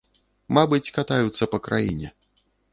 Мабыць, катаюцца па краіне.